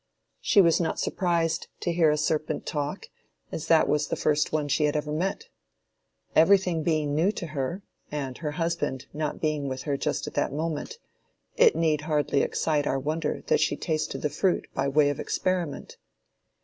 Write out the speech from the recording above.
She was not surprised to hear a serpent talk, as that was the first one she had ever met. Every thing being new to her, and her husband not being with her just at that moment, it need hardly excite our wonder that she tasted the fruit by way of experiment.